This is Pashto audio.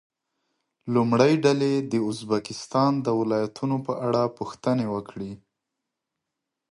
لومړۍ ډله دې د ازبکستان د ولایتونو په اړه پوښتنې وکړي.